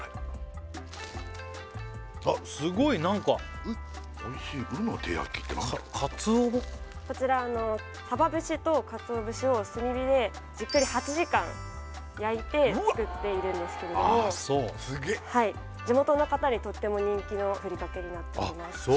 あっすごい何かこちら鯖節と鰹節を炭火でじっくり８時間焼いて作っているんですけれども地元の方にとっても人気のふりかけになっております